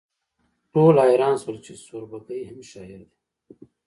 ټول حیران شول چې سوربګی هم شاعر دی